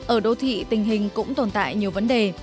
ở đô thị tình hình cũng tồn tại nhiều vấn đề